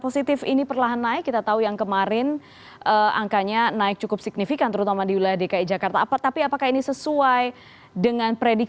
selamat sore pak soni